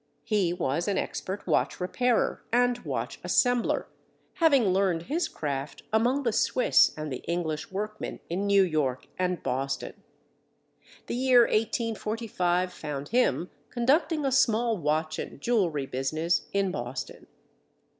He was an expert watch repairer and watch assembler, having learned his craft among the Swiss and the English workmen in New York and Boston. The year 1845 found him conducting a small watch and jewelry business in Boston.